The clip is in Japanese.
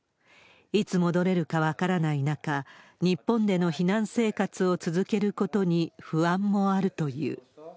いつ戻れるか分からない中、日本での避難生活を続けることに不安もあるという。